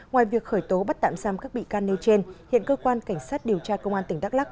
ngoài việc khởi tố bắt tạm giam các bị can nêu trên hiện cơ quan cảnh sát điều tra công an tỉnh đắk lắc